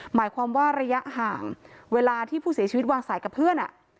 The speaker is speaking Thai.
หมายความว่าระยะห่างเวลาที่ผู้เสียชีวิตวางสายกับเพื่อน